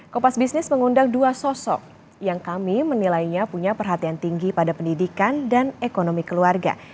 kopas bisnis mengundang dua sosok yang kami menilainya punya perhatian tinggi pada pendidikan dan ekonomi keluarga